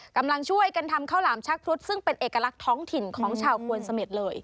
กำลังช่วยกันทำข้าวหลามชักพรุษซึ่งเป็นเอกลักษณ์ท้องถิ่นของชาวควนเสม็ดเลย